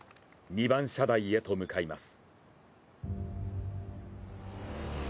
２番射台へと向かいます。